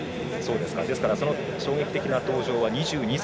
ですから、その衝撃的な登場は２２歳。